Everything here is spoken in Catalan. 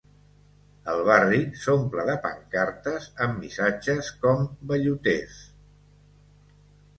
El barri s’omple de pancartes amb missatges com Velluters!